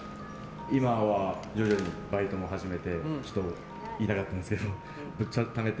今は徐々にバイトも始めて言いたかったんですけどちょっとためて